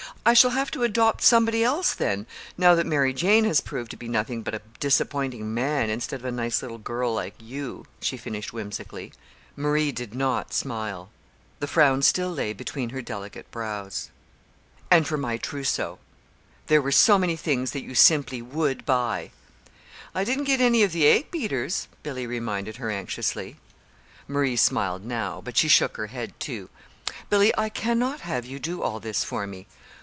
I shall have to adopt somebody else then now that Mary Jane has proved to be nothing but a disappointing man instead of a nice little girl like you," she finished whimsically. Marie did not smile. The frown still lay between her delicate brows. "And for my trousseau there were so many things that you simply would buy!" "I didn't get one of the egg beaters," Billy reminded her anxiously. Marie smiled now, but she shook her head, too. "Billy, I cannot have you do all this for me."